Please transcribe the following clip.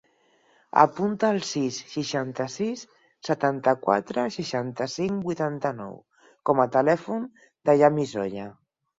Apunta el sis, seixanta-sis, setanta-quatre, seixanta-cinc, vuitanta-nou com a telèfon del Yanis Oya.